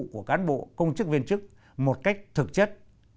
của cán bộ công chức viên chức một cách thực chất